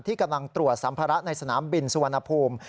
กำลังตรวจสัมภาระในสนามบินสุวรรณภูมิ